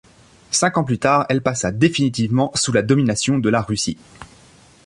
Cinq ans plus tard, elle passa définitivement sous la domination de la Russie.